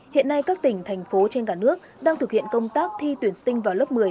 hiện nay các tỉnh thành phố trên cả nước đang thực hiện công tác thi tuyển sinh vào lớp một mươi